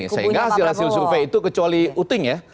saya enggak hasil hasil survei itu kecuali uting ya